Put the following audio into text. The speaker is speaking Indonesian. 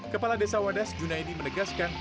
kepala desa wadas juna ini menegaskan